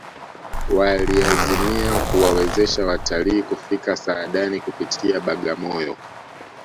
waliazimia kuwawezesha watalii kufika saadani kupitia bagamoyo